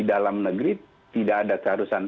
dalam negeri tidak ada keharusan